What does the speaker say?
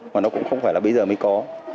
mà nó cũng không phải là bây giờ mới có